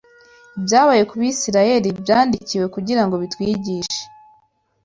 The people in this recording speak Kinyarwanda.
Ibyabaye ku Bisirayeli byandikiwe kugira ngo bitwigishe